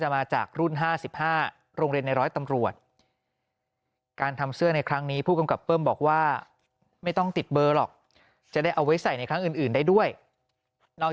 หยุดหยุดหยุดหยุดหยุดหยุดหยุดหยุด